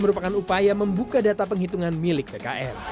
merupakan upaya membuka data penghitungan milik tkn